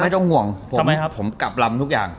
ต้องห่วงผมกลับลำทุกอย่าง